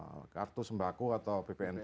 ada pkh ada kartu sembaku atau ppnt